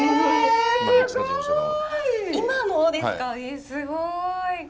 すごい。